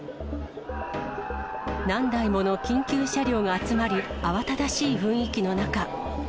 何台もの緊急車両が集まり、慌ただしい雰囲気の中。